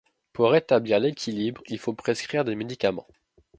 Pour rétablir l'équilibre, il faut prescrire des médicaments.